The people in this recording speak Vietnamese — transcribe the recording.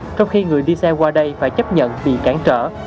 trong khi người đi xe qua đây phải chấp nhận vì cản trở